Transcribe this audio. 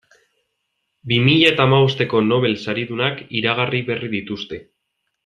Bi mila eta hamabosteko Nobel saridunak iragarri berri dituzte.